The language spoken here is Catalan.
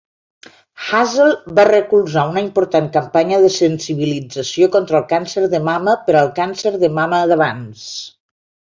Hazell va recolzar una important campanya de sensibilització contra el càncer de mama per al càncer de mama d'avanç.